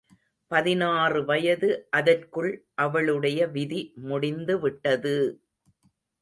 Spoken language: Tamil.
பதினாறு வயது அதற்குள் அவளுடைய விதி முடிந்து விட்டது!